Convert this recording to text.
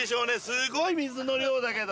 すごい水の量だけど。